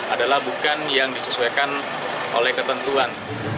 adalah bukan yang disesuaikan oleh ketentuan